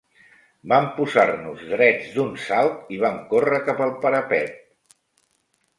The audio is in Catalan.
Vam posar-nos drets d'un salt i vam córrer cap al parape